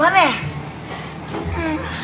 aduh kemana ya